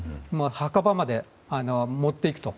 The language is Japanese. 墓場まで持っていくと。